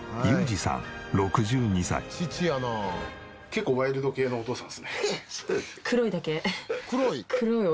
結構ワイルド系のお父さんですね。